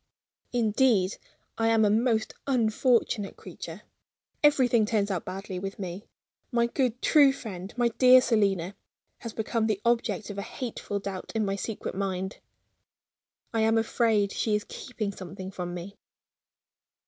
Indeed, I am a most unfortunate creature; everything turns out badly with me. My good, true friend, my dear Selina, has become the object of a hateful doubt in my secret mind. I am afraid she is keeping something from me.